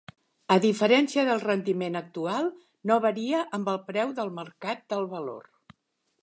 A diferència del rendiment actual, no varia amb el preu de mercat del valor.